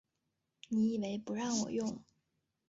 你以为不让我用